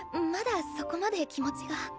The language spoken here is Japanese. まだそこまで気持ちが。